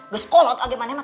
gak sekolah tau gimana mah